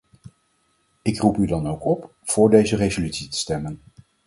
Ik roep u dan ook op voor deze resolutie te stemmen.